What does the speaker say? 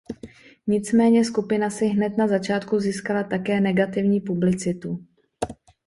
Nicméně skupina si hned na začátku získala také negativní publicitu.